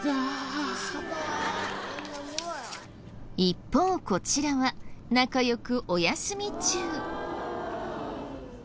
一方こちらは仲良くお休み中。